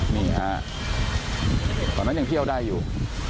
นี่ฮะตอนนั้นยังเที่ยวได้อยู่